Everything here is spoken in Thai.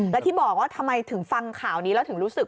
แล้วที่บอกว่าทำไมถึงฟังข่าวนี้แล้วถึงรู้สึก